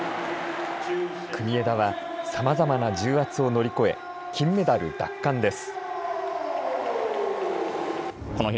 国枝はさまざまな重圧を乗り越え金メダル奪還です。